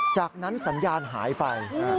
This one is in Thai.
จากนั้นสัญญาณหายไป